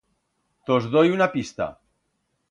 Tos doi una pista.